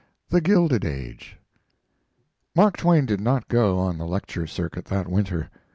"THE GILDED AGE" Mark Twain did not go on the lecture circuit that winter.